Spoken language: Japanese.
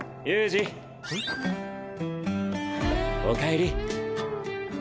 おかえり。